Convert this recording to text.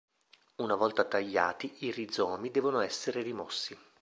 Una volta tagliati, i rizomi devono essere rimossi.